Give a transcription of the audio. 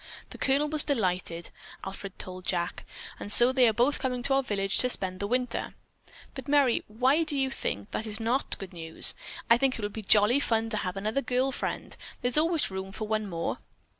The Colonel was delighted, Alfred told Jack, and so they are both coming to our village to spend the winter." "But, Merry, why do you think that is not good news? I think it will be jolly fun to have another girl friend. There's always room for one more."